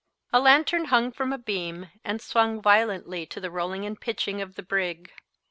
A lantern hung from a beam, and swung violently to the rolling and pitching of the brig.